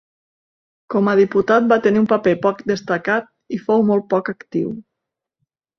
Com a diputat va tenir un paper poc destacat i fou molt poc actiu.